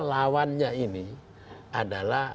lawannya ini adalah